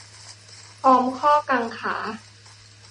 พร้อมข้อกังขา